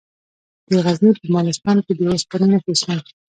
د غزني په مالستان کې د اوسپنې نښې شته.